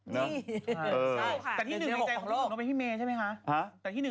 นี่